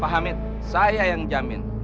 pak hamid saya yang jamin